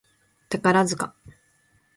宝塚